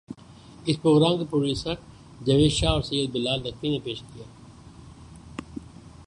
اس programme کو producer Javed Shah اور سید بلا ل نقوی نے پیش کیا